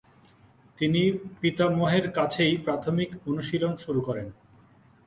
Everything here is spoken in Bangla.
তিনি পিতামহের কাছেই প্রথমিক অনুশীলন শুরু করেন।